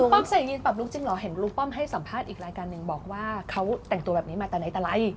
ป้อมใส่ยินปรับลุกจริงเหรอเห็นลุงป้อมให้สัมภาษณ์อีกรายการหนึ่งบอกว่าเขาแต่งตัวแบบนี้มาแต่ไหนแต่ไร